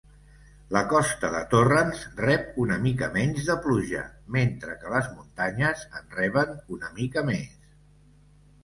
La costa de Torrance rep una mica menys de pluja, mentre que les muntanyes en reben una mica més.